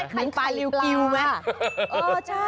เหมือนขายริวกิวไหม